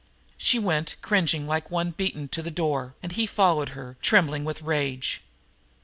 She went, cringing like one beaten, to the door, and he followed her, trembling with rage.